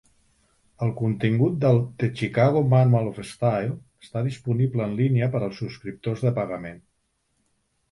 El contingut del "The Chicago Manual of Style" està disponible en línia per als subscriptors de pagament.